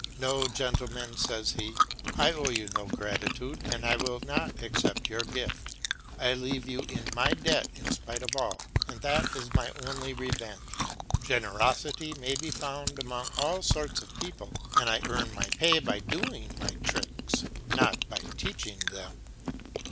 "No, gentlemen," says he, "I owe you no gratitude and I will not accept your gift. I leave you in my debt in spite of all, and that is my only revenge. Generosity may be found among all sorts of people, and I earn my pay by doing my tricks not by teaching them."